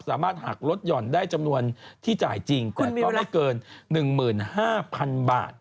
สามารถหักลดหย่อนได้จำนวนที่จ่ายจริงแต่ก็ไม่เกิน๑๕๐๐๐บาท